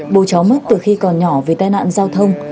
bố cháu mất từ khi còn nhỏ vì tai nạn giao thông